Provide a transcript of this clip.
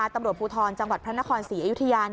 ตำรวจภูทรจังหวัดพระนครศรีอยุธยา